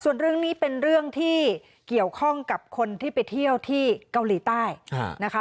ส่วนเรื่องนี้เป็นเรื่องที่เกี่ยวข้องกับคนที่ไปเที่ยวที่เกาหลีใต้นะคะ